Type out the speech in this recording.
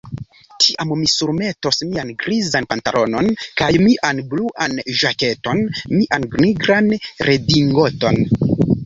Tiam mi surmetos mian grizan pantalonon kaj mian bluan ĵaketon mian nigran redingoton.